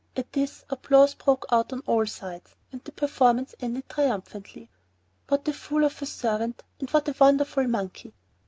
At this, applause broke out on all sides, and the performance ended triumphantly. What a fool of a servant and what a wonderful monkey!